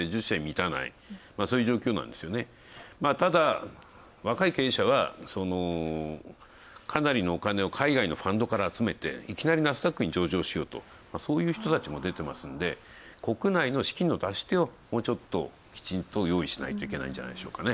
ただ、若い経営者は、かなりのお金を海外のファンドから集めて、いきなりナスダックに上場しようと、そういう人たちも出てますんで、国内の資金の出し手をもうちょっと、きちんと用意しないといけないんじゃないでしょうかね。